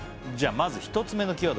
まず１つ目のキーワード